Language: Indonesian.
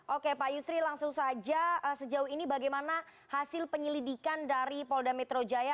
oke pak yusri langsung saja sejauh ini bagaimana hasil penyelidikan dari polda metro jaya